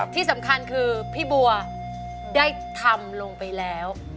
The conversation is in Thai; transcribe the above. ที่สำคัญคือพี่บัวได้ทำลงไปแล้ว